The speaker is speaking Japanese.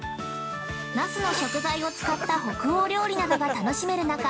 那須の食材を使った北欧料理などが楽しめるなか